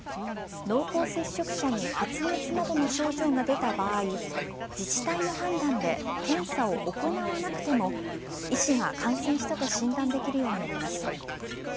濃厚接触者に発熱などの症状が出た場合自治体の判断で検査を行わなくても医師が感染したと診断できるようになります。